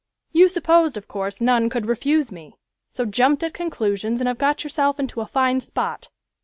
"You supposed, of course, none could refuse me, so jumped at conclusions and have got yourself into a fine spot."